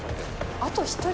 あと１人？